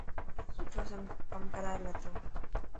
سٺو ڪم ڪرائل هتو.